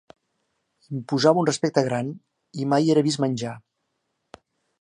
Imposava un respecte gran, i mai era vist menjar.